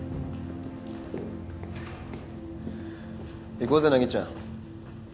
行こうぜ凪ちゃん。